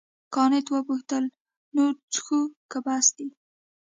کانت وپوښتل نور څښو که بس دی.